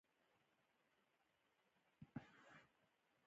زغر د تیلو یوه بله سرچینه ده.